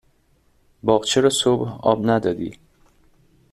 باغچه رو صبح آب ندادی